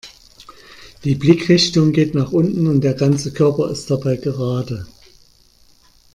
Die Blickrichtung geht nach unten und der ganze Körper ist dabei gerade.